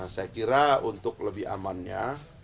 saya kira untuk lebih amannya